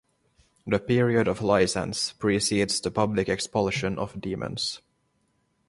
The period of license precedes the public expulsion of demons.